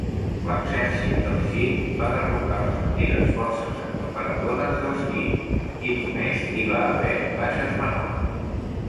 L'exèrcit dels Jin va derrotar les antigues forces aclaparadores dels Quin i només hi va haver baixes menors.